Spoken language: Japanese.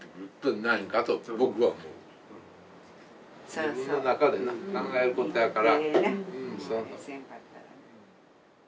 自分の中でな考えることやから。